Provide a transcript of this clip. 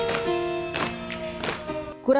mereka bisa mencoba untuk mencoba